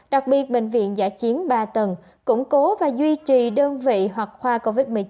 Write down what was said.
đặc biệt bệnh viện giả chiến ba tầng củng cố và duy trì đơn vị hoặc khoa covid một mươi chín